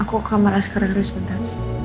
aku ke kamar askar nanti sebentar